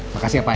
makasih ya pak